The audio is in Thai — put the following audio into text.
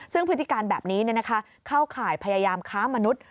ซึ่งพฤติการแบบนี้เนี่ยนะคะเข้าข่ายพยายามค้ามนุษย์